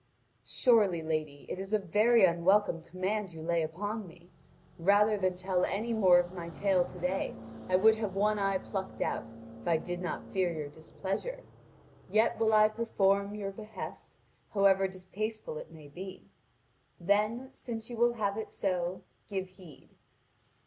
"Surely, lady, it is a very unwelcome command you lay upon me. Rather than tell any more of my tale to day, I would have one eye plucked out, if I did not fear your displeasure. Yet will I perform your behest, however distasteful it may be. Then since you will have it so, give heed.